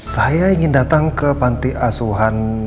saya ingin datang ke panti asuhan